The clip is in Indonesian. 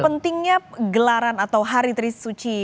pentingnya gelaran atau hari trisuci